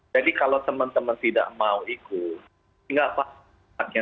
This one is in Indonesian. jadi kalau teman teman tidak mau ikut nggak apa apa